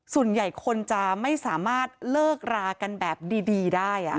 ส่วนใหญ่คนจะไม่สามารถเลิกรากันแบบดีได้